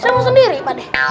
saya mau sendiri padeh